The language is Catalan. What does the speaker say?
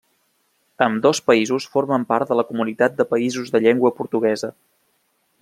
Ambdós països formen part de la Comunitat de Països de Llengua Portuguesa.